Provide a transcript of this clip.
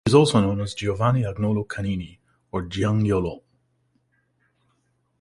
He is also known as "Giovanni Agnolo Canini" or "Giannangiolo".